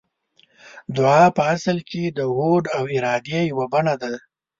دعا په اصل کې د هوډ او ارادې يوه بڼه ده.